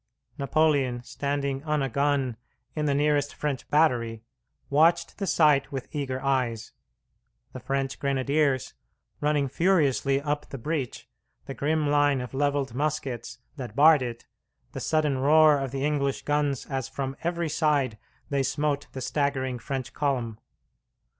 Napoleon, standing on a gun in the nearest French battery, watched the sight with eager eyes the French grenadiers running furiously up the breach, the grim line of levelled muskets that barred it, the sudden roar of the English guns as from every side they smote the staggering French column.